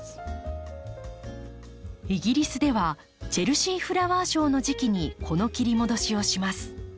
イギリスではチェルシーフラワーショーの時期にこの切り戻しをします。